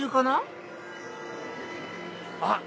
あ。